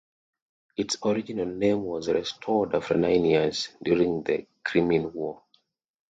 Its original name was restored after nine years, during the Crimean War.